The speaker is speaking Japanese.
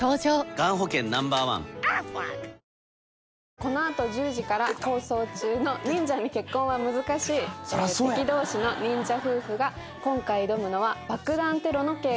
この後１０時から放送中の『忍者に結婚は難しい』敵同士の忍者夫婦が今回挑むのは爆弾テロの警護。